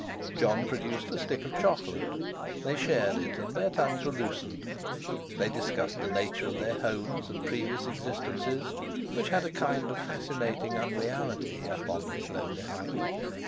Jon produced a stick of chocolate. They shared it and their tongues were loosened. They discussed the nature of their homes and previous existences, which had a kind of fascinating unreality up on that lonely height.